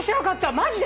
マジで？